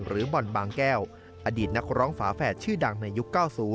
บ่อนบางแก้วอดีตนักร้องฝาแฝดชื่อดังในยุค๙๐